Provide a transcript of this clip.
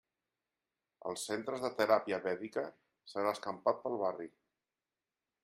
Els centres de teràpia vèdica s'han escampat pel barri.